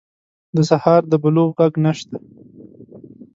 د سهار د بلوغ ږغ نشته